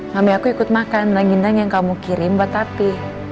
mami aku ikut makan ranginan yang kamu kirim buat tati